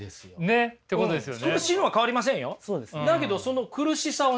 ねっ。ってことですよね。